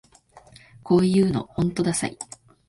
こういうのほんとダサい